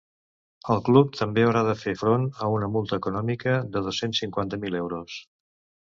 El club també haurà de fer front a una multa econòmica de dos-cents cinquanta mil euros.